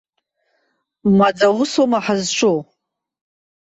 Маӡа усума ҳазҿу?